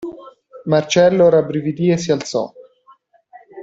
Marcello rabbrividì e si alzò.